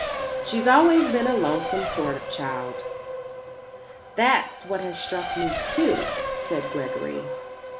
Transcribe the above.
"She's always been a lonesome sort of child." "That's what has struck me, too," said Gregory.